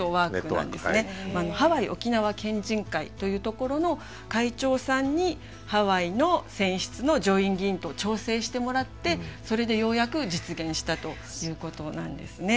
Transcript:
ハワイ沖縄県人会というところの会長さんにハワイの選出の上院議員と調整してもらってそれでようやく実現したということなんですね。